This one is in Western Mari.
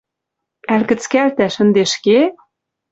Ӓль кӹцкӓлтӓш ӹнде ӹшке?!.»